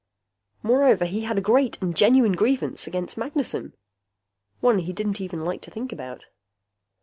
Moreover, he had a great and genuine grievance against Magnessen, one he didn't like to think about.